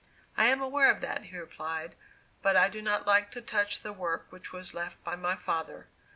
"I am aware of that," he replied; "but I do not like to touch the work which was left by my father.